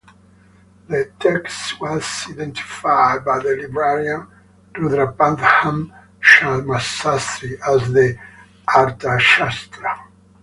The text was identified by the librarian Rudrapatnam Shamasastry as the Arthashastra.